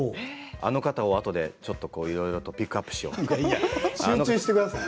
あの方をあとで、ちょっといろいろとピックアップしようとか。